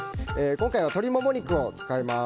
今回は鶏モモ肉を使います。